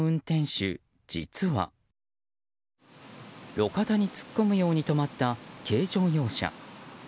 路肩に突っ込むように止まった軽乗用車。